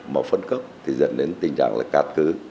mà phân cấp thì dẫn đến tình trạng là cát cứ